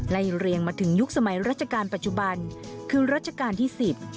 เรียงมาถึงยุคสมัยราชการปัจจุบันคือรัชกาลที่สิบ